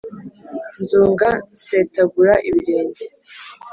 Nzunga nsetagura ibirenge,